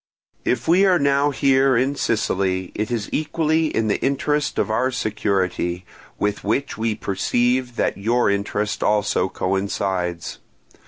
If we are now here in Sicily, it is equally in the interest of our security, with which we perceive that your interest also coincides.